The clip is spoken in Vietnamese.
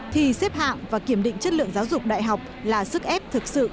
thì xếp hạng và kiểm định chất lượng giáo dục đại học là sức ép thực sự